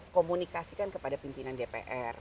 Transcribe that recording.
komunikasikan kepada pimpinan dpr